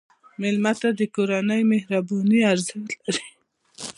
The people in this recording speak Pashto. مېلمه ته د کورنۍ مهرباني ارزښت لري.